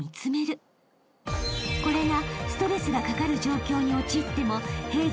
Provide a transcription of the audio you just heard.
［これが］